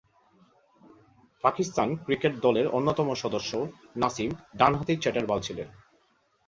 Pakistan cricket দলের অন্যতম সদস্য নাসিম ডানহাতি মাঝারি সারির ব্যাটসম্যান হিসেবে খেলছেন।